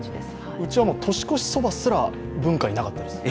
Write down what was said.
うちは年越しそばすら文化になかったです。